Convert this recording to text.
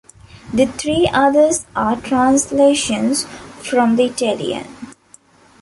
The three others are translations from the Italian.